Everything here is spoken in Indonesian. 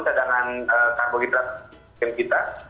cadangan karbohidrat yang kita